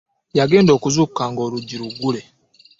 Yagenda okuzukuka nga oluggi lugule.